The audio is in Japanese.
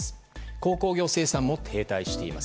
鉱工業生産も停滞しています。